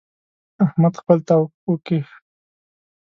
احمد خپل تاو وکيښ.